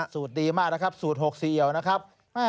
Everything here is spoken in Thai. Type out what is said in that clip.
สูตรดีมากนะครับสูตร๖๔เอี่ยวนะครับ